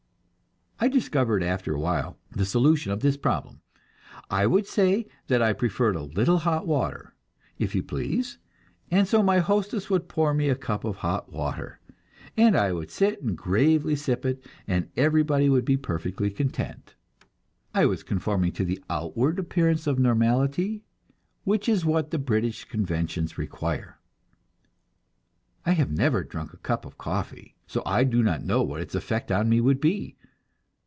I discovered after a while the solution of this problem; I would say that I preferred a little hot water, if you please, and so my hostess would pour me a cup of hot water, and I would sit and gravely sip it, and everybody would be perfectly content: I was conforming to the outward appearance of normality, which is what the British conventions require. I have never drunk a cup of coffee, so I do not know what its effect on me would be.